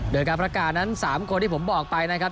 โดยการประกาศนั้น๓คนที่ผมบอกไปนะครับ